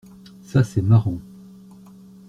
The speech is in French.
Ça c’est marrant.